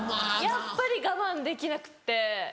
やっぱり我慢できなくて。